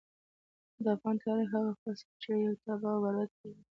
د افغان تاريخ هغه فصل چې يو تباه او برباد ملت.